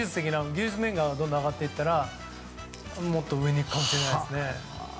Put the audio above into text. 技術面がどんどん上がっていったらもっと上に行くかもしれないですね。